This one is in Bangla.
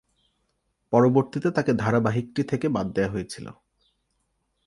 পরবর্তীতে তাকে ধারাবাহিকটি থেকে বাদ দেওয়া হয়েছিল।